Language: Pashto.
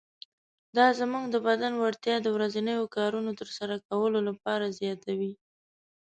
دا زموږ د بدن وړتیا د ورځنیو کارونو تر سره کولو لپاره زیاتوي.